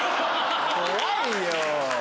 怖いよ。